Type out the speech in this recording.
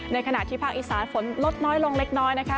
ขณะที่ภาคอีสานฝนลดน้อยลงเล็กน้อยนะคะ